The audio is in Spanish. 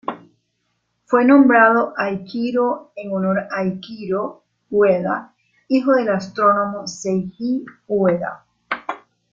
Fue nombrado Akihiro en honor a Akihiro Ueda, hijo del astrónomo Seiji Ueda.